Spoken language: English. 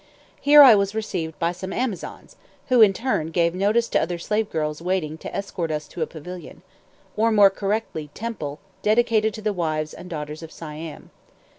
Here I was received by some Amazons, who in turn gave notice to other slave girls waiting to escort us to a pavilion or, more correctly, temple dedicated to the wives and daughters of Siam.